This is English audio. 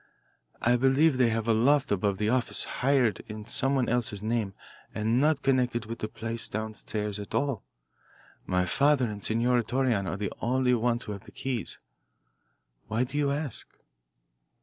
"I believe they have a loft above the office, hired in someone else's name and not connected with the place down stairs at all. My father and Senor Torreon are the only ones who have the keys. Why do you ask?"